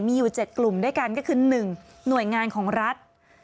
มีอยู่๗กลุ่มด้วยกันก็คือ๑หน่วยงานของรัฐ